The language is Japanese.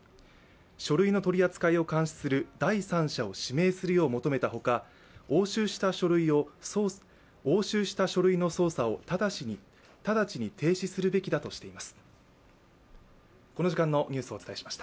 書類の取り扱いを監視する第三者を指名するよう求めたほか押収した書類の捜査を直ちに提示するべきだとしています。